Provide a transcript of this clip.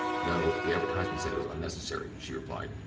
"No; the advertisement said that was unnecessary," she replied.